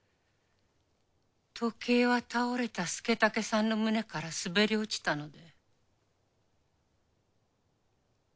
時計は倒れた佐武さんの胸からすべり落ちたので。